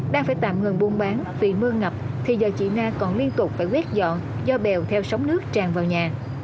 đang phải tạm ngừng buôn bán vì mưa ngập thì giờ chị na còn liên tục phải quét dọn do bèo theo sóng nước tràn vào nhà